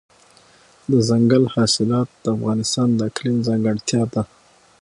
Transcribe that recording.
دځنګل حاصلات د افغانستان د اقلیم ځانګړتیا ده.